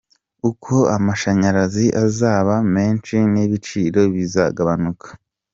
Uko amashanyarazi azaba menshi n’ibiciro bizagabanuka.